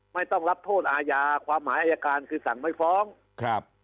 ไม่ต้องรับโทษอาญาความหมายอายการคือสั่งไม่ฟ้องครับ